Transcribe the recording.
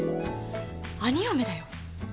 兄嫁だよ